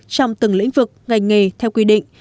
trong từng lĩnh vực ngành nghề theo quy định